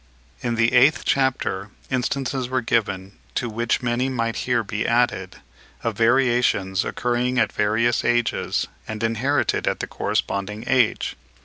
In the eighth chapter instances were given, to which many might here be added, of variations occurring at various ages, and inherited at the corresponding age.